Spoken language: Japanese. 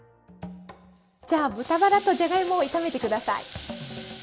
じゃあ豚バラとじゃがいもを炒めて下さい。